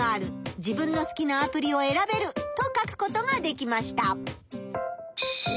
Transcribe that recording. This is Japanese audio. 自分の好きなアプリをえらべる」と書くことができました。